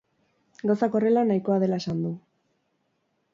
Gauzak horrela, nahikoa dela esan du.